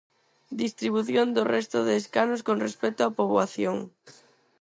Distribución do resto de escanos con respecto á poboación.